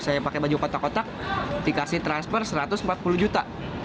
saya pakai baju kotak kotak dikasih transfer satu ratus empat puluh juta